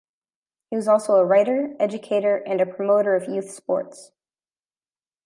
He was also a writer, educator, and a promoter of youth sports.